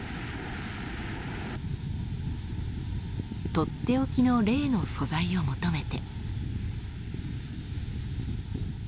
とっておきのレイの素材を求めて。